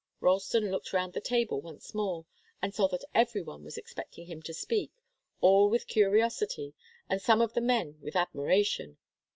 Ralston looked round the table once more, and saw that every one was expecting him to speak, all with curiosity, and some of the men with admiration.